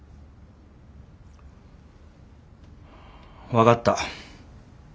分かった。